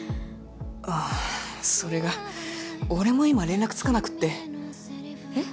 あっそれが俺も今連絡つかなくってえっ？